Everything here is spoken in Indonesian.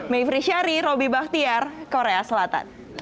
mayfri syari robby bahtiar korea selatan